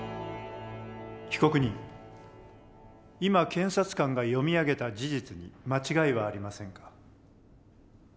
被告人今検察官が読み上げた事実に間違いはありませんか？